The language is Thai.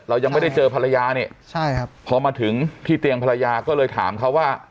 เรายังไม่ได้เจอภรรยานี่ใช่ครับพอมาถึงที่เตียงภรรยาก็เลยถามเขาว่า